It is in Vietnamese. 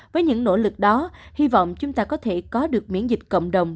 với những nỗ lực đó hy vọng chúng ta có thể có được miễn dịch cộng đồng